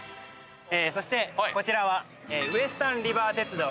そしてこちらはウエスタンリバー鉄道でございます。